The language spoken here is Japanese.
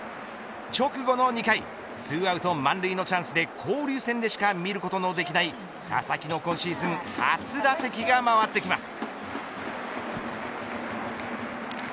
直後の２回２アウト満塁のチャンスで交流戦でしか見ることのできない佐々木の今シーズン初打席が回ってきます。